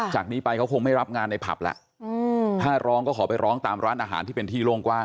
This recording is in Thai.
จากนี้ไปเขาคงไม่รับงานในผับแล้วถ้าร้องก็ขอไปร้องตามร้านอาหารที่เป็นที่โล่งกว้าง